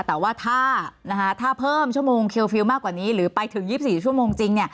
แต่ว่าถ้าเพิ่มชั่วโมงเคอร์ฟิลล์มากกว่านี้หรือไปถึง๒๔ชั่วโมงจริง